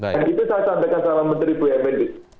dan itu saya sampaikan kepada menteri pmn